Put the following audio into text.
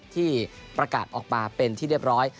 ที่ประกาศออกมาเป็นที่เรียบร้อย